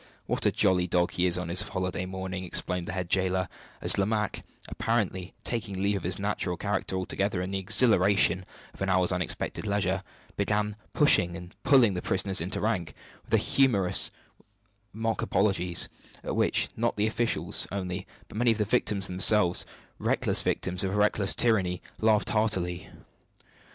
what a jolly dog he is on his holiday morning!" exclaimed the head jailer, as Lomaque apparently taking leave of his natural character altogether in the exhilaration of an hour's unexpected leisure began pushing and pulling the prisoners into rank, with humorous mock apologies, at which not the officials only, but many of the victims themselves reckless victims of a reckless tyranny laughed heartily.